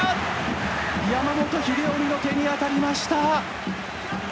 山本英臣の手に当たりました。